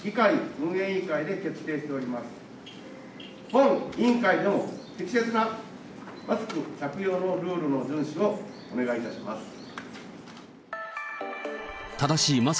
本委員会でも、適切なマスク着用のルールの順守をお願いいたします。